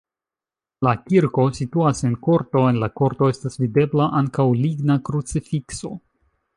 La kirko situas en korto, en la korto estas videbla ankaŭ ligna krucifikso.